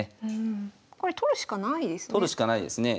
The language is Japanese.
これ取るしかないですね？